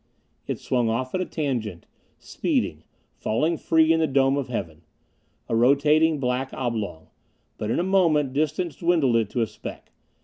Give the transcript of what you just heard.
It swung off at a tangent. Speeding. Falling free in the dome of the heavens. A rotating black oblong. But in a moment distance dwindled it to a speck.